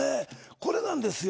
これなんですよ。